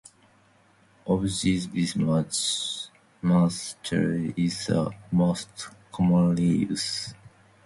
Of these bismuth telluride is the most commonly used.